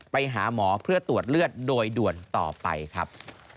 ไปหาหมอเพื่อตรวจเลือดโดยด่วนต่อไปครับ